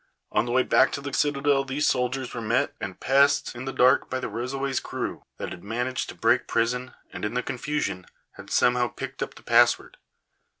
On their way back to the citadel these soldiers were met and passed in the dark by the Rosaway's crew, that had managed to break prison, and in the confusion had somehow picked up the password.